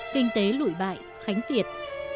kinh tế lụi bại khánh tuyệt